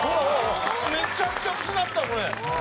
めちゃくちゃ薄なったこれ！